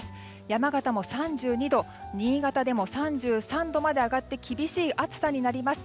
山形も３２度新潟でも３３度まで上がって厳しい暑さになります。